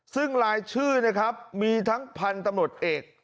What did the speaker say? ซึ่งรายชื่อนะครับมีทั้งพันธุ์ตำรวจเอก